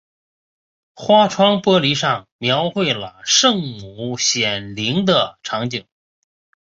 花窗玻璃上描绘了圣母显灵的场景。